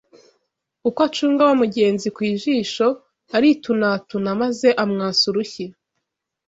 uko acunga wa mugenzi ku jisho aritunatuna maze amwasa urushyi